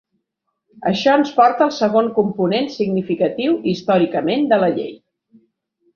Això ens porta al segon component significatiu històricament de la Llei.